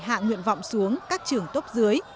hạ nguyện vọng xuống các trường top dưới